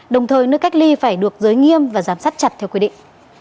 đồng thời nơi cách ly phải được giới nghiêm và giám sát chặt theo quy định